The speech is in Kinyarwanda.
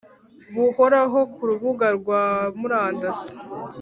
buhoraho ku rubuga rwa murandasi